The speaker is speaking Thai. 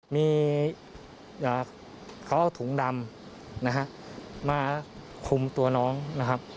มีเขาเอาถุงดำนะฮะมาคุมตัวน้องนะครับ